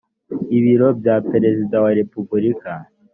ibiro bya perezida wa repubulika